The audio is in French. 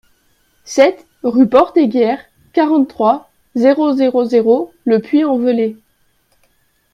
sept rue Porte Aiguière, quarante-trois, zéro zéro zéro, Le Puy-en-Velay